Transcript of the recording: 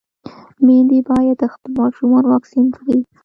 ميندې بايد خپل ماشومان واکسين کړي.